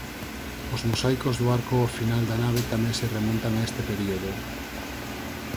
Os mosaicos do arco ao final da nave tamén se remontan a este período.